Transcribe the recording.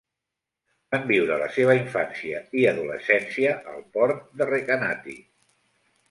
Van viure la seva infància i adolescència al port de Recanati.